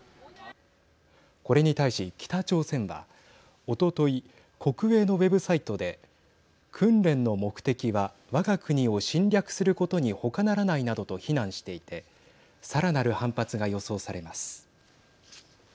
これに対し、北朝鮮はおととい、国営のウェブサイトで訓練の目的はわが国を侵略することにほかならないなどと非難していてさらなる反発が予想されます。